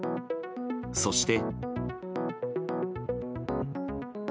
そして。